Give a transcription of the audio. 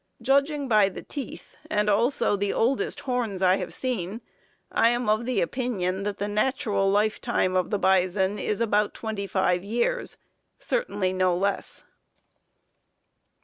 Judging by the teeth, and also the oldest horns I have seen, I am of the opinion that the natural life time of the bison is about twenty five years; certainly no less.